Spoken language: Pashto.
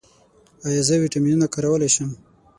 ایا زه ویټامینونه کارولی شم؟